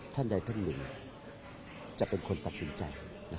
ท่านใดท่านหนึ่งจะเป็นคนตัดสินใจ